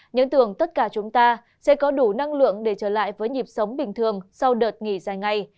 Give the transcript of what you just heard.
những tưởng tất cả chúng ta sẽ có đủ năng lượng để trở lại với nhịp sống bình thường sau đợt nghỉ dài ngày